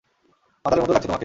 মাতালের মতো লাগছে তোমাকে।